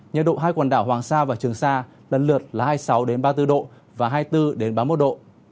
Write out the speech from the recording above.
nhiệt độ hai quần đảo hoàng sa và trường sa lần lượt là hai mươi sáu ba mươi bốn độ và hai mươi bốn ba mươi một độ